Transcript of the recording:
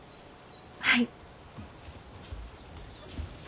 はい。